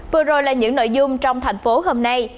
vừa rồi là những nội dung trong thành phố hôm nay